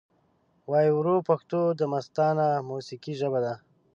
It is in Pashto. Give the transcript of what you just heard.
وایې وره پښتو دمستانه موسیقۍ ژبه ده